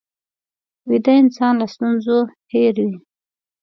ویده انسان له ستونزو هېر وي